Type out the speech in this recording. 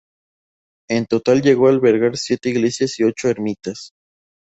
En total llegó a albergar siete iglesias y ocho ermitas.